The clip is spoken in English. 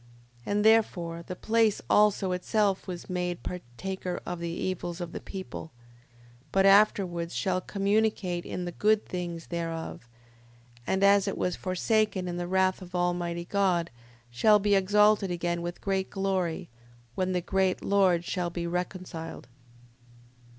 5:20. And, therefore, the place also itself was made partaker of the evils of the people: but afterwards shall communicate in the good things thereof, and as it was forsaken in the wrath of Almighty God, shall be exalted again with great glory, when the great Lord shall be reconciled.